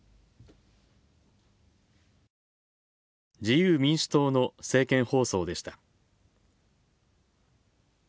自由民主党の政見放送でした。